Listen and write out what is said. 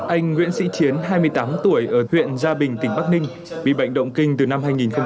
anh nguyễn sĩ chiến hai mươi tám tuổi ở huyện gia bình tỉnh bắc ninh bị bệnh động kinh từ năm hai nghìn một mươi